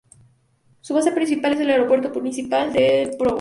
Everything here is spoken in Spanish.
Su base principal es el Aeropuerto Municipal de Provo.